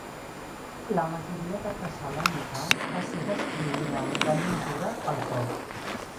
La majoria de Tessalònica va ser destruïda en gran mesura pel foc.